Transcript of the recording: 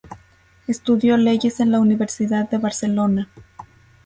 Estudió leyes en la Universidad de Barcelona.